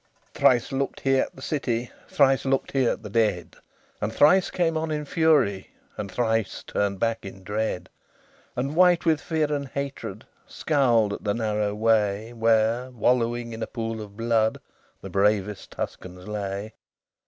LII Thrice looked he at the city; Thrice looked he at the dead; And thrice came on in fury, And thrice turned back in dread: And, white with fear and hatred, Scowled at the narrow way Where, wallowing in a pool of blood, The bravest Tuscans lay.